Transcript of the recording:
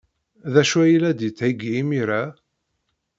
D acu ay la d-yettheyyi imir-a?